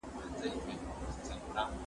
زه هره ورځ مېوې راټولوم!